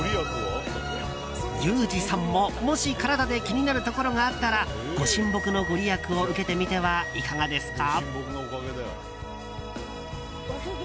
ユージさんも、もし体で気になるところがあったら御神木のご利益を受けてみてはいかがですか。